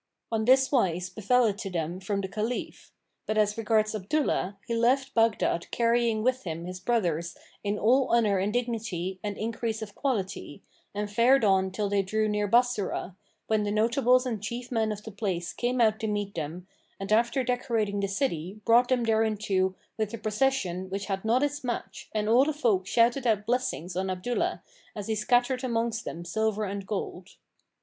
'"[FN#548] On this wise befel it to them from the Caliph; but as regards Abdullah, he left Baghdad carrying with him his brothers in all honour and dignity and increase of quality, and fared on till they drew near Bassorah, when the notables and chief men of the place came out to meet them and after decorating the city brought them thereinto with a procession which had not its match and all the folk shouted out blessings on Abdullah as he scattered amongst them silver and gold.